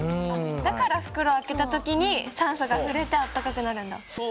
だから袋開けた時に酸素が触れてあったかくなるんだ。